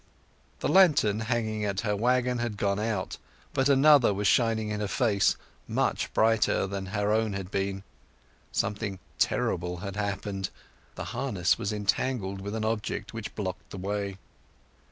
The lantern hanging at her waggon had gone out, but another was shining in her face—much brighter than her own had been. Something terrible had happened. The harness was entangled with an object which blocked the way.